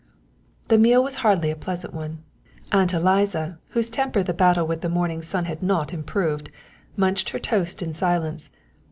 The meal was hardly a pleasant one. Aunt Eliza, whose temper the battle with the morning sun had not improved, munched her toast in silence.